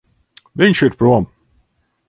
Viņš ir prom.